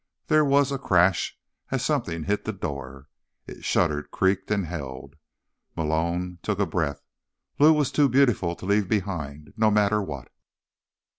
There was a crash as something hit the door. It shuddered, creaked, and held. Malone took a breath. Lou was too beautiful to leave behind, no matter what.